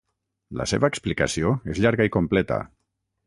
La seva explicació és llarga i completa.